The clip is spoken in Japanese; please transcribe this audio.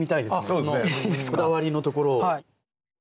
そのこだわりのところを。